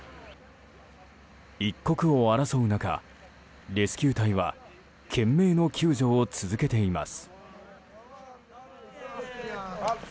一刻を争う中、レスキュー隊は懸命の救助を続けています。